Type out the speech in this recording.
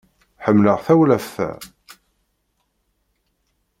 Ḥemmleɣ tawlaft-a.